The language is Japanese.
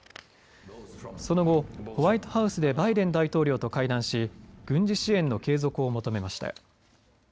その後、ホワイトハウスでバイデン大統領と会談し軍事支援の継続を求めました。